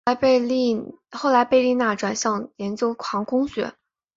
后来贝利纳转向研究航空学。